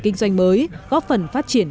kinh doanh mới góp phần phát triển